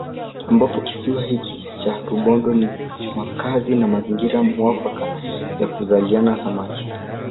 Ambapo kisiwa hiki cha Rubondo ni makazi na mazingira muafaka ya kuzaliana Samaki